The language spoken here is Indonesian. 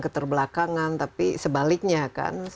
keterbelakangan tapi sebaliknya kan